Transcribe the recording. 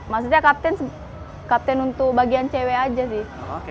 maksudnya kapten untuk bagian cewek aja sih